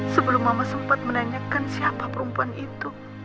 sebelum mama sempat menanyakan siapa perempuan itu